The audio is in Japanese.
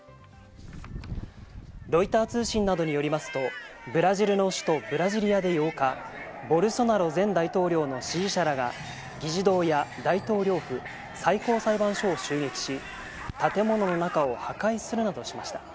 ロイター通信などによりますとブラジルの首都ブラジリアで８日、ボルソナロ前大統領の支持者らが議事堂や大統領府、最高裁判所を襲撃し、建物の中を破壊するなどしました。